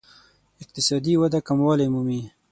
اقتصادي وده کموالی مومي.